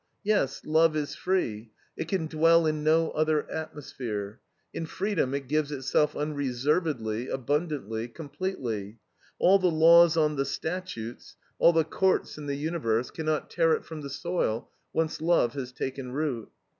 Yes, love is free; it can dwell in no other atmosphere. In freedom it gives itself unreservedly, abundantly, completely. All the laws on the statutes, all the courts in the universe, cannot tear it from the soil, once love has taken root.